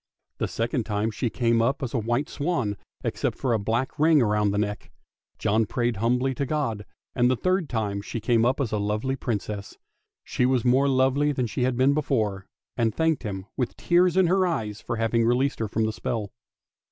The second time she came up as a white swan, except for a black ring round the neck. John prayed humbly to God, and the third time she came up as a lovely Princess. She was more lovely than she had been before, and thanked him, with tears in her eyes, for having released her from the spell.